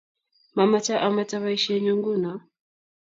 Mamache amete boishenyu nguno